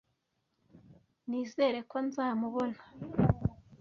Nizere ko nzamubona.